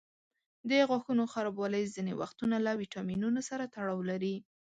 د غاښونو خرابوالی ځینې وختونه له ویټامینونو سره تړاو لري.